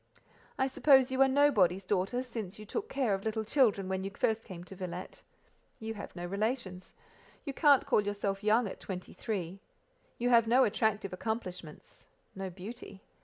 "I suppose you are nobody's daughter, since you took care of little children when you first came to Villette: you have no relations; you can't call yourself young at twenty three; you have no attractive accomplishments—no beauty.